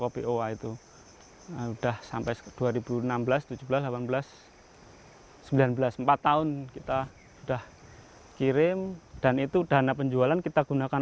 kopo itu udah sampai dua ribu enam belas dua ribu tujuh belas delapan belas sembilan belas empat tahun kita udah kirim dan itu dana penjualan kita gunakan